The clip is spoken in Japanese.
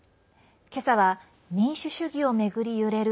今朝は、民主主義を巡り揺れる